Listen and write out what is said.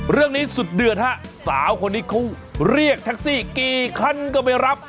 สุดเดือดฮะสาวคนนี้เขาเรียกแท็กซี่กี่คันก็ไม่รับ